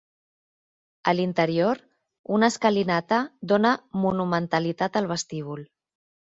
A l'interior, una escalinata dóna monumentalitat al vestíbul.